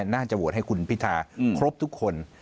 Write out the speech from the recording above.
น่าจะโหวตให้คุณพิธาครบทุกคน